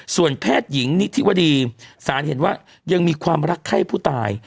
ส่วนแพทย์หญิงนิธิวดีสารเห็นว่ายังมีความรักไข้ผู้ตาย